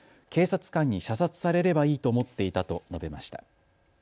警察官に射殺されればいいと思っていたと述べました。